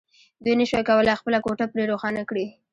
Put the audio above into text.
دوی نشوای کولای خپله کوټه پرې روښانه کړي